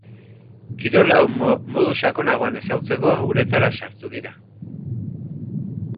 Kirol hau modu sakonagoan ezagutzeko uretara sartu dira.